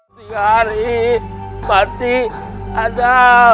singari mati ada